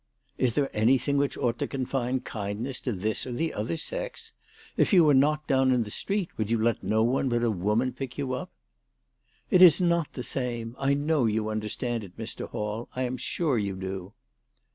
" Is there anything which ought to confine kindness to this or the other sex ? If you were knocked down in the street would you let no one but a woman pick you up ?"" It is not the same. I know you understand it, Mr. Hall. I am sure you do."